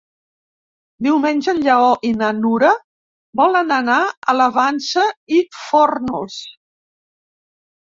Diumenge en Lleó i na Nura volen anar a la Vansa i Fórnols.